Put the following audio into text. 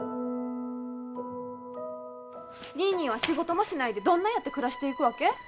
ニーニーは仕事もしないでどんなやって暮らしていくわけ？